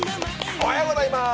おはようございます。